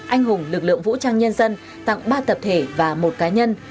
anh hùng lực lượng vũ trang nhân dân tặng ba tập thể và một cá nhân